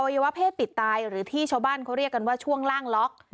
วะเพศปิดตายหรือที่ชาวบ้านเขาเรียกกันว่าช่วงล่างล็อก